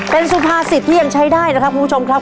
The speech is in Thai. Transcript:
เป็นสุภาษิตที่ยังใช้ได้นะครับคุณผู้ชมครับ